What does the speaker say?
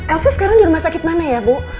elsa sekarang di rumah sakit mana ya bu